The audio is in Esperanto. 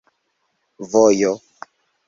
vojo